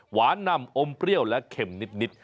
นำอมเปรี้ยวและเข็มนิด